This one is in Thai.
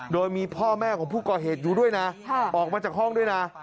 โดยมีพ่อแม่ของผู้ก่อเหตุอยู่ด้วยนะออกมาจากห้องด้วยนะ